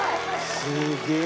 すげえ。